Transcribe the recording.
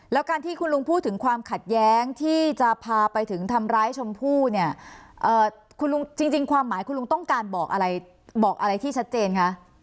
แล้วการที่คุณลุงพูดถึงความขัดแย้งที่จะพาไปถึงทำร้ายชมพู่เนี่ยคุณลุงจริงความหมายคุณลุงต้องการบอกอะไรบอกอะไรที่ชัดเจนคะ